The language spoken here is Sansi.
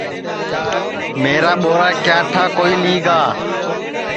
میرا ٻورا کیا ٹھا کوئی لی گا